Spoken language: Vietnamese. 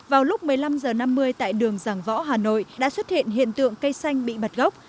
vào lúc một mươi năm h năm mươi tại đường giảng võ hà nội đã xuất hiện hiện tượng cây xanh bị bật gốc